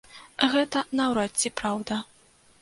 Гэта наўрад ці праўда.